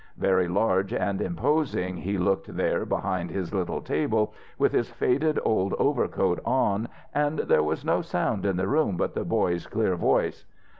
Very large and imposing he looked there behind his little table, with his faded old overcoat on, and there was no sound in the room but the boy's clear voice.